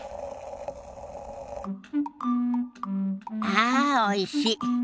ああおいし。